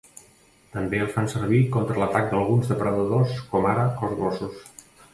També els fan servir contra l'atac d'alguns depredadors com ara els gossos.